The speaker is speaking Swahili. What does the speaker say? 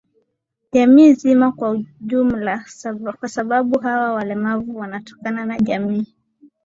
jamii zima kwa jumla kwasababu hawa walemavu wanatokana na jamii